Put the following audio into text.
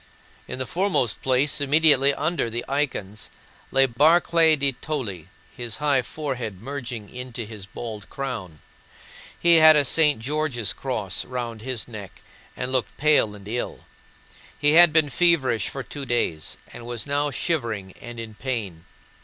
In the foremost place, immediately under the icons, sat Barclay de Tolly, his high forehead merging into his bald crown. He had a St. George's Cross round his neck and looked pale and ill. He had been feverish for two days and was now shivering and in pain.